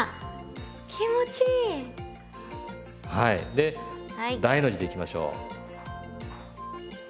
で大の字でいきましょう。